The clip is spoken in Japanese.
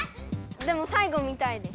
でもさい後見たいです。